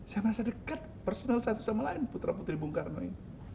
saya merasa dekat personal satu sama lain putra putri bung karno ini